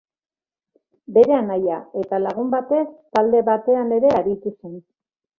Bere anaia eta lagun batez talde batean ere aritu zen.